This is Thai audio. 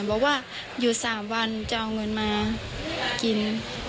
บอกว่าอยู่๓วันจะเอาเงินมากิน